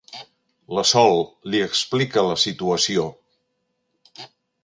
La Sol li explica la situació.